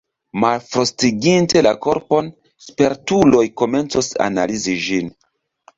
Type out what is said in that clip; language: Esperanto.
Malfrostiginte la korpon, spertuloj komencos analizi ĝin.